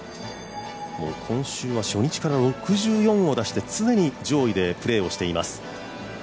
今週は初日から６４を出して、常に上位でプレーをしています。